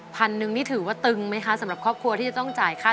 พันหนึ่งนี่ถือว่าตึงไหมคะสำหรับครอบครัวที่จะต้องจ่ายค่า